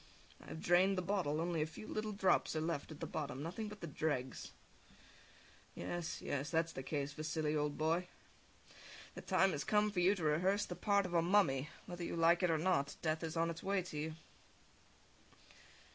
I have drained the bottle, only a few little drops are left at the bottom, nothing but the dregs. Yes, yes, that's the case, Vasili, old boy. The time has come for you to rehearse the part of a mummy, whether you like it or not. Death is on its way to you.